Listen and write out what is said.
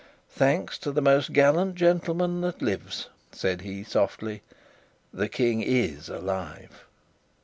"Thanks to the most gallant gentleman that lives," said he softly, "the King is alive!"